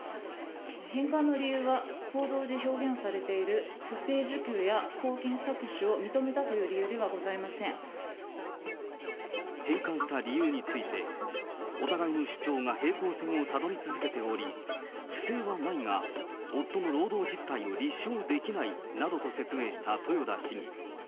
返還の理由は、報道で表現をされている不正受給や公金詐取を認めたという理由で返還した理由について、お互いの主張が平行線をたどり続けており、不正はないが夫の労働実態を立証できないなどと説明した豊田市議。